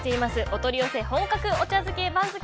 お取り寄せ本格茶漬け番付。